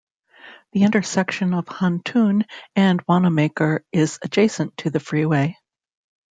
The intersection of Huntoon and Wanamaker is adjacent to the freeway.